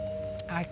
はい。